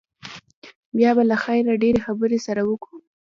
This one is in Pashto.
بيا به له خيره ډېرې خبرې سره وکو.